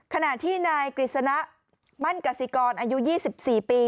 ขณะที่นายกฤษณะมั่นกสิกรอายุ๒๔ปี